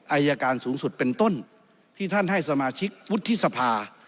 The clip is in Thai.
อายการสูงสุดเป็นต้นที่ท่านให้สมาชิกวุฒิสภา